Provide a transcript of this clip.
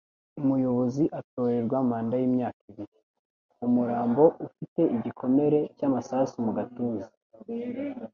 Umuyobozi atorerwa manda yimyaka ibiri. Umurambo ufite igikomere cy'amasasu mu gatuza.